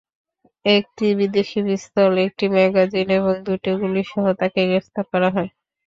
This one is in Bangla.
একটি বিদেশি পিস্তল, একটি ম্যাগাজিন এবং দুটি গুলিসহ তাঁকে গ্রেপ্তার করা হয়।